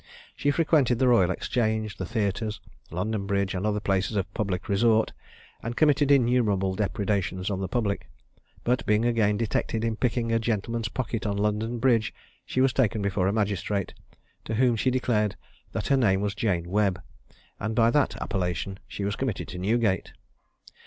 She frequented the Royal Exchange, the theatres, London bridge, and other places of public resort, and committed innumerable depredations on the public; but being again detected in picking a gentleman's pocket on London bridge, she was taken before a magistrate, to whom she declared that her name was Jane Webb, and by that appellation she was committed to Newgate.